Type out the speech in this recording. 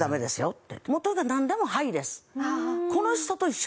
って。